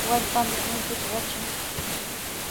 Wallpami runtuta watran.